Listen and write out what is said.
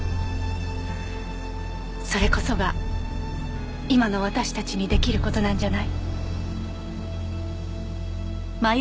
それこそが今の私たちに出来る事なんじゃない？